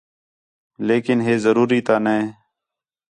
لیکن ہے ضروری تا نے